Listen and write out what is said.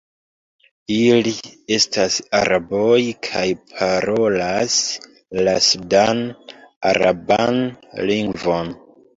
Ili estas araboj kaj parolas la sudan-araban lingvon.